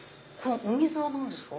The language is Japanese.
お水は何ですか？